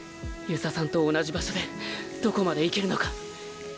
遊佐さんと同じ場所でどこまで行けるのか